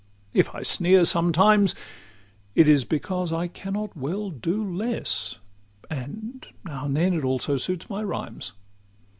If I sneer sometimes, It is because I cannot well do less, And now and then it also suits my rhymes.